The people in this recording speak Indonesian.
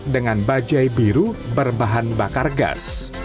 dengan bajai biru berbahan bakar gas